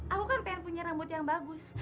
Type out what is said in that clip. aku kan pengen punya rambut yang bagus